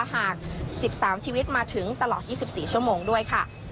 หาก๑๓ชีวิตมาถึงตลอด๒๔ชั่วโมงด้วยค่ะ